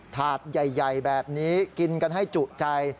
ถาดใหญ่แบบนี้กินกันให้จุใจ